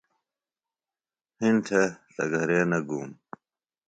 ہِنڈ تھے تہ گھرے نہ گُوم